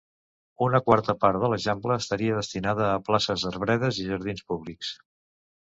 Una quarta part de l'Eixample estaria destinada a places, arbredes i jardins públics.